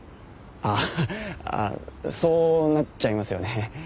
あっそうなっちゃいますよね。